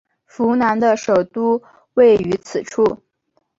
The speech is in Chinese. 扶南的首都位于此处。